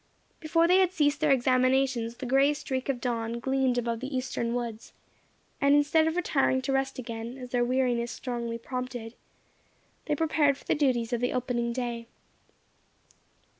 Before they had ceased their examinations the grey streak of dawn gleamed above the eastern woods, and instead of retiring to rest again, as their weariness strongly prompted, they prepared for the duties of the opening day.